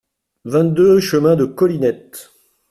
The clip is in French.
vingt-deux chemin de Colinette